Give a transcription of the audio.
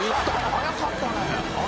早かったね。